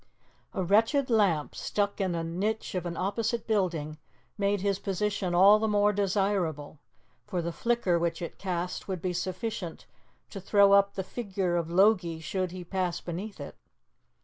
A wretched lamp, stuck in a niche of an opposite building, made his position all the more desirable, for the flicker which it cast would be sufficient to throw up the figure of Logie should he pass beneath it.